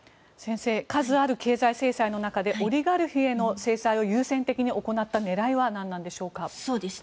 先生数ある経済制裁の中でオリガルヒへの制裁を優先的に行った狙いは何なんでしょうか？